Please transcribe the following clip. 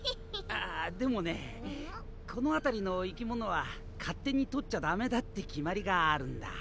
あでもねこの辺りの生き物は勝手に取っちゃ駄目だって決まりがあるんだ。